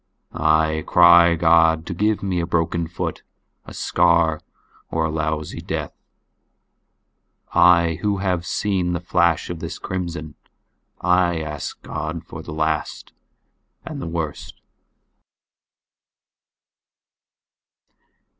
I cry God to give me a broken foot, a scar, or a lousy death.I who have seen the flash of this crimson, I ask God for the last and worst.